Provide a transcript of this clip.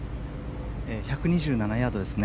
１２７ヤードですね。